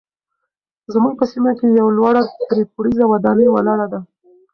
زموږ په سیمه کې یوه لوړه درې پوړیزه ودانۍ ولاړه ده.